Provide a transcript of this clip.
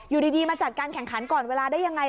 อยู่ดีมาจัดการแข่งขันก่อนเวลาได้ยังไง